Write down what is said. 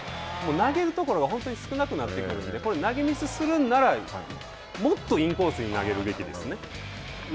投げるところが本当に少なくなってくるのでこれ投げミスするならもっとインコースに投げるべきですね。